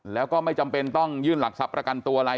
แล้วก็ไม่จำเป็นต้องยื่นหลักทรัพย์ประกันตัวอะไร